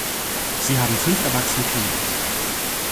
Sie haben fünf erwachsene Kinder.